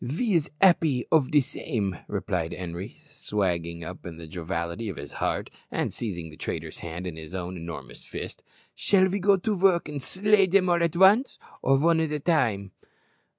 "Ve is 'appy ov de same," replied Henri, swaggering up in the joviality of his heart, and seizing the trader's hand in his own enormous fist. "Shall ve go to vork an' slay dem all at vonce, or von at a time?"